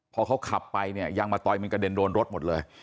พอเขาขับไปเนี่ยยางมะตอยมันกระเด็นโดนรถหมดเลย